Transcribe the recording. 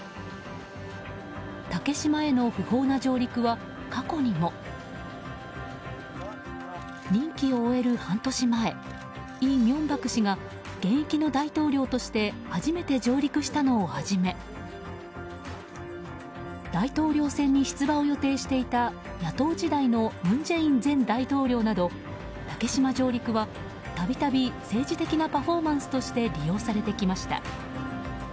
竹島への不法な上陸は過去にも。任期を終える半年前、李明博氏が現役の大統領として初めて上陸したのをはじめ大統領選に出馬を予定していた野党時代の文在寅前大統領など竹島上陸は、度々政治的なパフォーマンスとして利用されてきました。